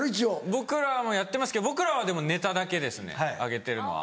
僕らもやってますけど僕らはでもネタだけです上げてるのは。